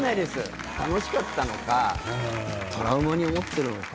楽しかったのかトラウマに思ってるのか。